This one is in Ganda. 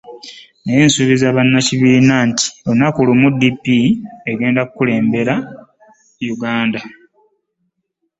Naye nsuubiza bannakibiina nti olunaku lumu DP egenda kukulembera Uganda.